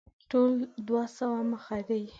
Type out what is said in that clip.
ټول دوه سوه مخه دی.